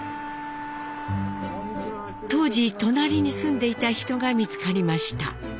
当時隣に住んでいた人が見つかりました。